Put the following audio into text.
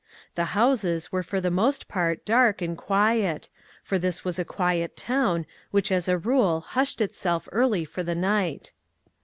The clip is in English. The houses were for the most part dark and quiet, for this was a quiet town, which as a rule, hushed itself early for the night.